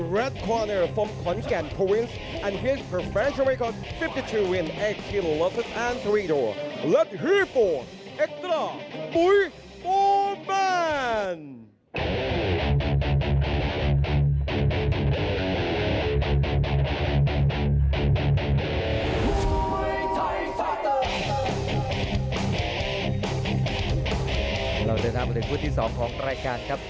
เรากลับมาโดยคุณที่๒ของรายการครับ